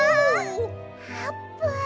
あーぷん！